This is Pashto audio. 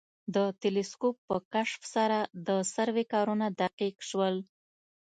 د تلسکوپ په کشف سره د سروې کارونه دقیق شول